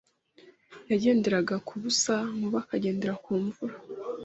yagenderaga ku busa Nkuba akagendera ku mvura